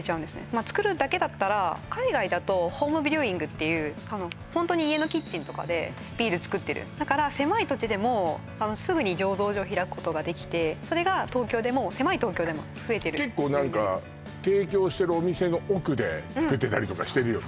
まあつくるだけだったら海外だとホームブリューイングっていうホントに家のキッチンとかでビールつくってるだから狭い土地でもすぐに醸造所ひらくことができてそれが東京でも結構なんか提供してるお店の奥でつくってたりとかしてるよね